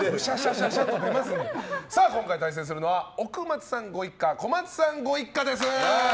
今回、対戦するのは奥松さんご一家小松さんご一家です。